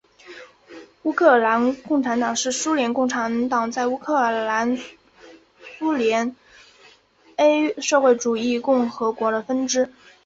乌克兰共产党是苏联共产党在乌克兰苏维埃社会主义共和国的分支。